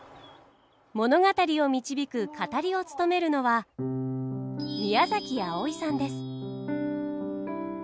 物語を導く語りを務めるのは宮あおいさんです。